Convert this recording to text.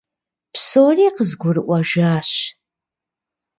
Псори къызгурыӀуэжащ.